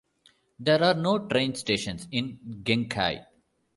There are no train stations in Genkai.